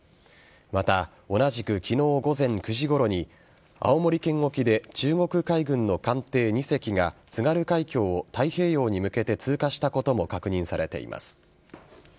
また、同じく昨日午前９時ごろに青森県沖で中国海軍の艦艇２隻が津軽海峡を太平洋に向けて通過したことも確認されています。